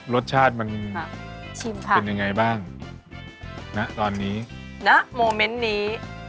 รสชาติมันชิมค่ะเป็นยังไงบ้างณตอนนี้ณโมเมนต์นี้